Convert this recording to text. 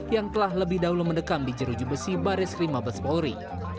yang telah lebih dahulu mendekam di jeruji besi baris krim mabes polri